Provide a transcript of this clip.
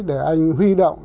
để anh huy động